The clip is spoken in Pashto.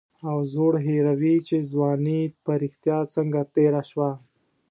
او زوړ هېروي چې ځواني په رښتیا څنګه تېره شوه.